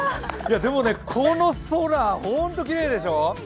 でもね、この空、本当きれいでしょ。